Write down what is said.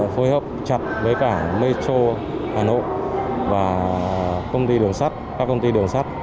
phối hợp chặt với cả metro hà nội và các công ty đường sắt